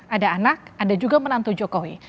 ada anak ada juga menantu jokowi